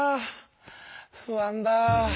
不安だ！